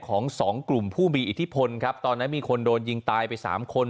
ของสองกลุ่มผู้มีอิทธิพลครับตอนนั้นมีคนโดนยิงตายไปสามคน